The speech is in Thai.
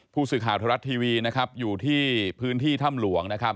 ผู้สื่อข่าวถรรัฐทีวีอยู่ที่พื้นที่ถ้ำหลวง